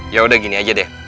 yaudah gini aja deh